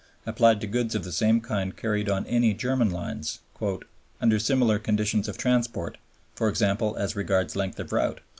applied to goods of the same kind carried on any German lines "under similar conditions of transport, for example, as regards length of route."